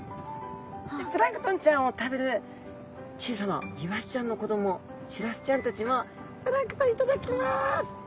でプランクトンちゃんを食べる小さなイワシちゃんの子供シラスちゃんたちも「プランクトン頂きます」。